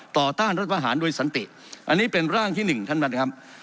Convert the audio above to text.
ต้านรัฐประหารโดยสันติอันนี้เป็นร่างที่หนึ่งท่านประธานครับ